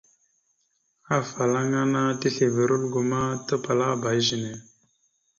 Afalaŋana tislevere algo ma tapəlaba izəne.